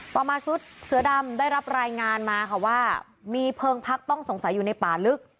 ต่อมาชุดเสือดำได้รับรายงานมาค่ะว่ามีเพลิงพักต้องสงสัยอยู่ในป่าลึก